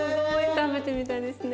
食べてみたいですね。